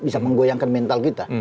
bisa menggoyangkan mental kita